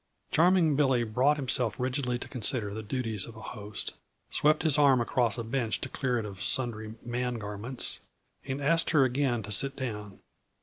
Charming Billy brought himself rigidly to consider the duties of a host; swept his arm across a bench to clear it of sundry man garments, and asked her again to sit down.